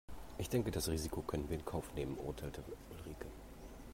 Ich denke das Risiko können wir in Kauf nehmen, urteilte Ulrike.